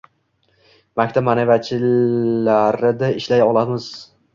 Maktab ma’naviyatchilariday ishlay olamiz.